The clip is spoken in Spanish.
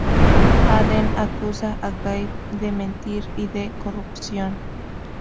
Hadden acusa a Gabe de mentir y de corrupción.